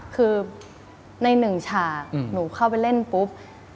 คือในหนึ่งฉากหนูเข้าไปเล่นปุ๊บ